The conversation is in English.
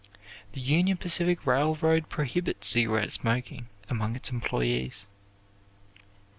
The Union Pacific Railroad prohibits cigarette smoking among its employees.